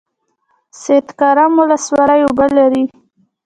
سید کرم ولسوالۍ اوبه لري؟